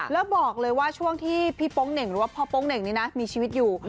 แล้วบอกเลยว่าช่วงที่พี่โป๊งเหน่งหรือว่าพ่อโป๊งเหน่งนี่นะมีชีวิตอยู่